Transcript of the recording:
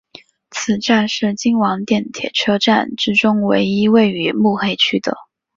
此站是京王电铁车站之中唯一位于目黑区的。